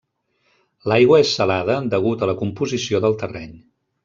L'aigua és salada degut a la composició del terreny.